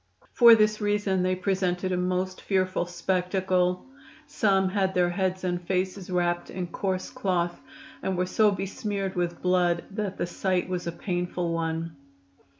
For this reason they presented a most fearful spectacle. Some had their heads and faces wrapped in coarse cloth, and were so besmeared with blood that the sight was a painful one.